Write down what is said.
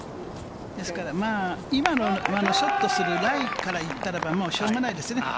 ですから、まぁ、ショットするライからいったら、しょうがないですね。